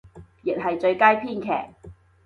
亦係最佳編劇